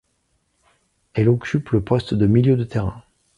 Elle occupe le poste de milieu de terrain.